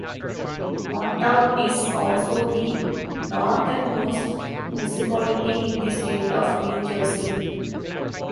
Montague is also the northernmost municipality in the state of New Jersey.